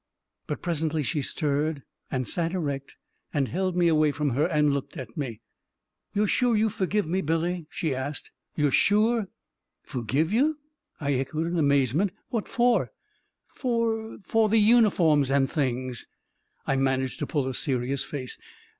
"... But presently she stirred and sat erect and held me away from her and looked at me. " You're sure you forgive me, Billy? " she asked. " You're sure? »" Forgive you ?" I echoed in amazement. " What for? " 14 For — for the uniforms and things." I managed to pull a serious face.